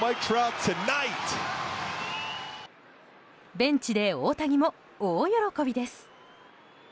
ベンチで大谷も大喜びです。